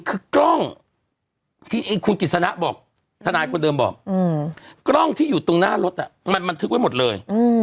คือกล้องที่คุณกิจสนะบอกทนายคนเดิมบอกกล้องที่อยู่ตรงหน้ารถมันบันทึกไว้หมดเลย